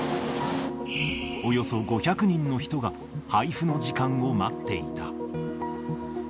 およそ５００人の人が配布の時間を待っていた。